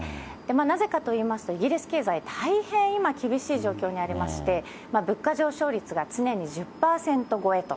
なぜかといいますと、イギリス経済、大変今、厳しい状況にありまして、物価上昇率が常に１０％超えと。